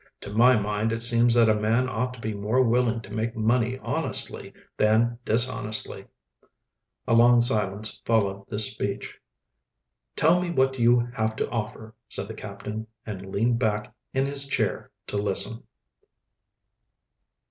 To my mind it seems that a man ought to be more willing to make money honestly than dishonestly." A long silence followed this speech. "Tell me what you have to offer," said the captain, and leaned back in his chair to listen.